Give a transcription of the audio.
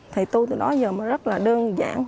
thầy tôi từ đó giờ mà rất là đơn giản